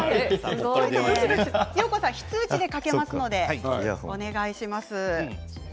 よーこさん、非通知でかけますのでお願いします。